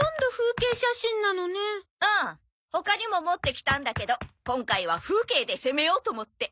他にも持ってきたんだけど今回は風景で攻めようと思って。